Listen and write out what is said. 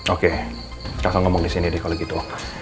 oke kakak ngomong disini deh kalau gitu